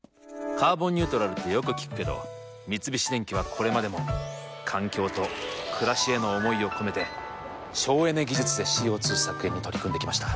「カーボンニュートラル」ってよく聞くけど三菱電機はこれまでも環境と暮らしへの思いを込めて省エネ技術でＣＯ２削減に取り組んできました。